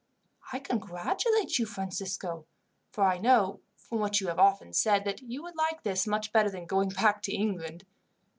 "I congratulate you, Francisco, for I know, from what you have often said, that you would like this much better than going back to England.